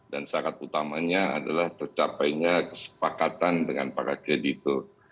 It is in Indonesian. dan syarat utamanya adalah tercapainya kesepakatan dengan para kreditur